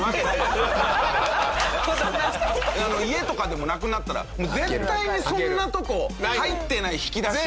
家とかでもなくなったら絶対にそんなとこ入ってない引き出しを。